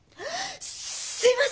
すいません！